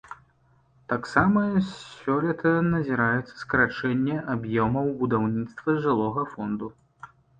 Таксама сёлета назіраецца скарачэнне аб'ёмаў будаўніцтва жылога фонду.